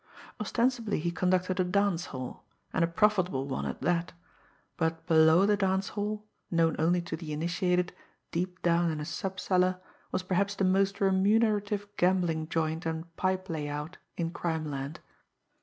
Ostensibly he conducted a dance hall, and a profitable one at that; but below the dance hall, known only to the initiated, deep down in a sub cellar, was perhaps the most remunerative gambling joint and pipe lay out in Crimeland.